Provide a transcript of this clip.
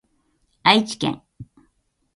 愛知県